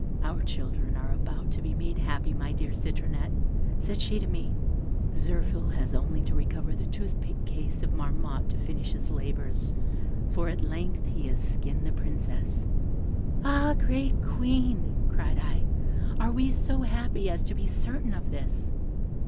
'Our children are about to be made happy, my dear Citronette,' said she to me; 'Zirphil has only to recover the toothpick case of Marmotte to finish his labours, for at length he has skinned the Princess.' 'Ah! great Queen,' cried I, 'are we so happy as to be certain of this?'